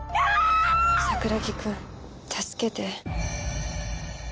桜木くん助けて。